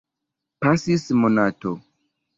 Pasis monato.